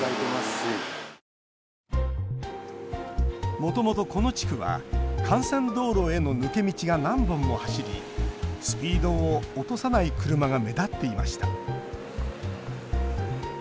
もともと、この地区は幹線道路への抜け道が何本も走りスピードを落とさない車が目立っていました。